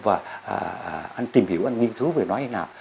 và anh tìm hiểu anh nghiên cứu về nói hay nào